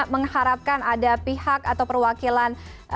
mengharapkan ada pihak atau perwakilan